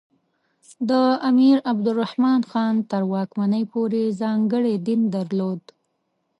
د امیر عبدالرحمان خان تر واکمنۍ پورې ځانګړی دین درلود.